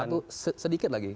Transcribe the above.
satu sedikit lagi